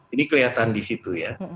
ini kelihatan di situ ya